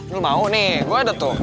lo mau nih gue ada tuh